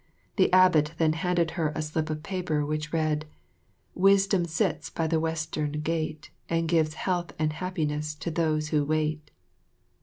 The abbot then handed her a slip of paper which read: "Wisdom sits by the Western Gate And gives health and happiness to those who wait."